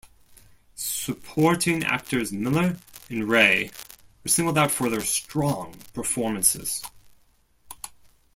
Supporting actors Miller and Rey were singled out for their strong performances.